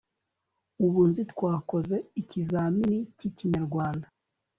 ubu nzi twakoze ikizamini cy'ikinyarwanda